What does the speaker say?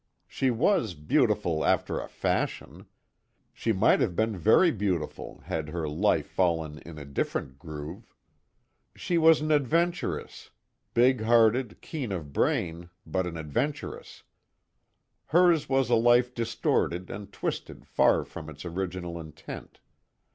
She was beautiful after a fashion. She might have been very beautiful had her life fallen in a different groove. She was an adventuress, big hearted, keen of brain but an adventuress. Hers was a life distorted and twisted far from its original intent.